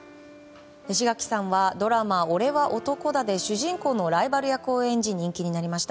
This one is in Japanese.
志垣さんはドラマ「おれは男だ！」で主人公のライバル役を演じ人気になりました。